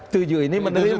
tujuh ini menerima